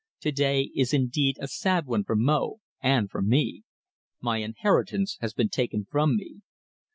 To day is indeed a sad one for Mo, and for me. My inheritance has been taken from me."